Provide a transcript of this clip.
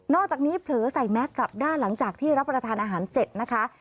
อกจากนี้เผลอใส่แมสกลับด้านหลังจากที่รับประทานอาหารเสร็จนะคะ